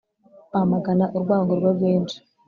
kwamagana urwango rwe rwinshi